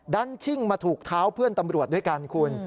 ชิ่งมาถูกเท้าเพื่อนตำรวจด้วยกันคุณ